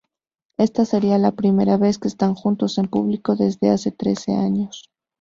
Ésta sería la primera vez que están juntos en público desde hace trece años.